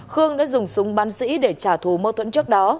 khương đã dùng súng bắn sĩ để trả thù mâu thuẫn trước đó